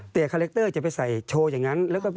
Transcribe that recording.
แต่คาแรคเตอร์จะไปใส่โชว์อย่างนั้น